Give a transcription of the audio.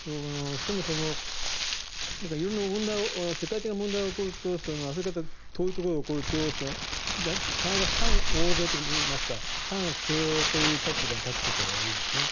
そもそも色んな世界的な問題が起こると遠いところで起こると必ず反欧米といいますか反西欧という立場に立つことが多いんですね。